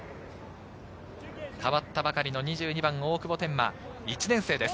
代わったばかりの２２番・大久保天満１年生です。